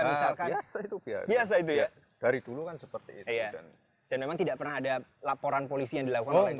saya sudah biasa itu dari dulu kan seperti itu dengan tidak pernah ada laporan polisi yang lalu